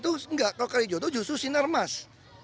itu enggak kalau kalijodo justru sinarmas